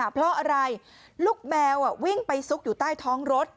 เพราะอะไรลูกแมววิ่งไปซุกอยู่ใต้ท้องรถ